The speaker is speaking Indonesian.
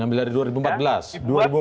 ambil dari dua ribu empat belas